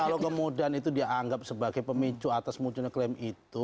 kalau kemudian itu dianggap sebagai pemicu atas munculnya klaim itu